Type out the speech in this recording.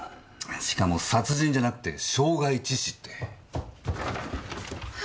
しかも殺人じゃなくて傷害致死って。は。